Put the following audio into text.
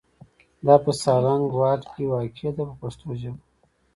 دا په سالنګ واټ کې واقع ده په پښتو ژبه.